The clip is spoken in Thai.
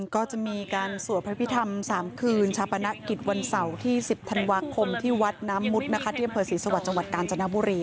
ก็จะมีการสวดพระพิธรรม๓คืนชาปนกิจวันเสาร์ที่๑๐ธันวาคมที่วัดน้ำมุดนะคะที่อำเภอศรีสวรรค์จังหวัดกาญจนบุรี